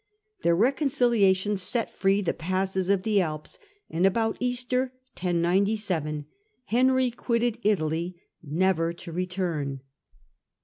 Their reconciliation set free the passes of the Alps, and about Easter (1097) Henry quitted Italy, never to return.